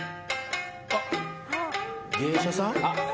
芸者さん？